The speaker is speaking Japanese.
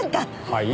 はい？